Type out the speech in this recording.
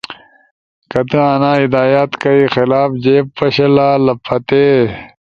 کہ تو انا ہدایات کائی خلاف جے پشلا لپھاتی،